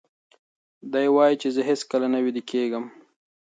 دی وایي چې زه هیڅکله نه ویده کېږم.